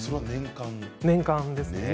年間ですね。